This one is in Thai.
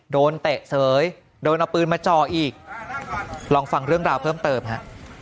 เตะเสยโดนเอาปืนมาจ่ออีกลองฟังเรื่องราวเพิ่มเติมฮะ